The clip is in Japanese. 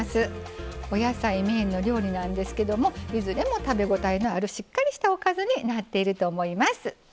お野菜メインの料理なんですけどもいずれも食べ応えのあるしっかりしたおかずになっていると思います。